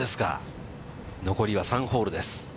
残りは３ホールです。